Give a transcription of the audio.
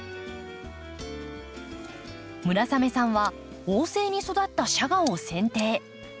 村雨さんは旺盛に育ったシャガをせん定。